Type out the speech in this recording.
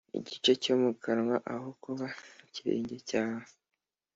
igice cyo mu kanwa aho kuba ikirenge cyawe